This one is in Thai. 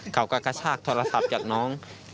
กระชากโทรศัพท์จากน้อง